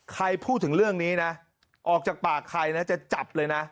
ใครพูดถึงเรื่องนี้นะออกจากปากใครนะจะจับเลยนะ